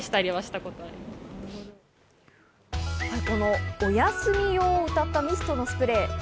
このおやすみ用をうたったミストのスプレー。